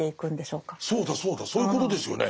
そうだそうだそういうことですよね。